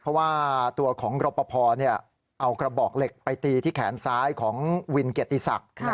เพราะว่าตัวของรปภเอากระบอกเหล็กไปตีที่แขนซ้ายของวินเกียรติศักดิ์